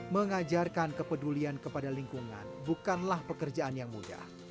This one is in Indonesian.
mengajarkan kepedulian kepada lingkungan bukanlah pekerjaan yang mudah